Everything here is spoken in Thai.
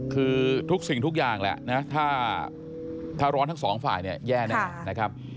คือทุกสิ่งทุกอย่างแหละถ้าร้อนทั้งสองฝ่ายแย่แน่